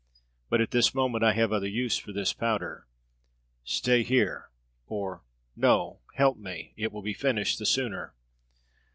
But at this moment I have other use for this powder. Stay here; or no, help me. It will be finished the sooner."